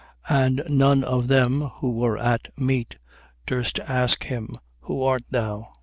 And none of them who were at meat, durst ask him: Who art thou?